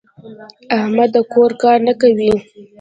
احمد د کور کار نه کوي.